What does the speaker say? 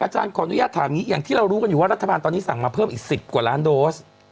อาจารย์ขออนุญาตถามอย่างนี้อย่างที่เรารู้กันอยู่ว่ารัฐบาลตอนนี้สั่งมาเพิ่มอีก๑๐กว่าล้านโดส